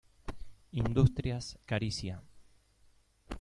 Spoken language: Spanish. Industrias Caricia.